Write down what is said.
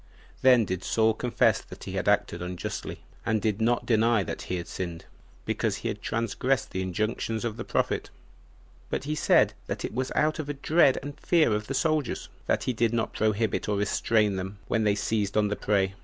Then did Saul confess that he had acted unjustly, and did not deny that he had sinned, because he had transgressed the injunctions of the prophet; but he said that it was out of a dread and fear of the soldiers, that he did not prohibit and restrain them when they seized on the prey.